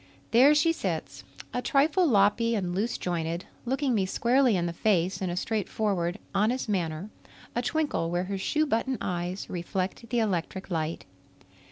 There she sits, a trifle loppy and loose jointed, looking me squarely in the face in a straightforward, honest manner, a twinkle where her shoe button eyes reflect the electric light.